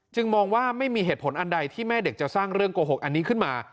มองว่าไม่มีเหตุผลอันใดที่แม่เด็กจะสร้างเรื่องโกหกอันนี้ขึ้นมา